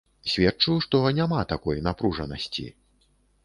Сведчу, што няма такой напружанасці.